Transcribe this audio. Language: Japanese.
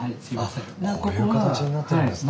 こういう形になってるんですね。